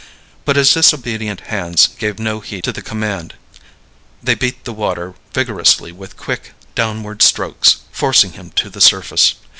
But his disobedient hands gave no heed to the command. They beat the water vigorously with quick, downward strokes, forcing him to the surface.